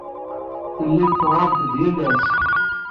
Tellamt teɣɣaremt-d yal ass.